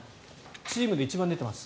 チームで一番出ています。